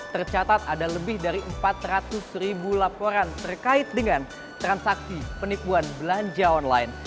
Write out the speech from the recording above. tercatat ada lebih dari empat ratus ribu laporan terkait dengan transaksi penipuan belanja online